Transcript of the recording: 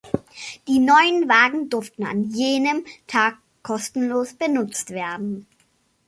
Die neuen Wagen durften an jenem Tag kostenlos benutzt werden.